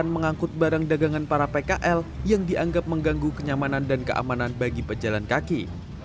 dan mengangkut barang dagangan para pkl yang dianggap mengganggu kenyamanan dan keamanan bagi pejalan kaki